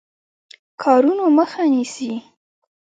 کارونو مخه نیسي.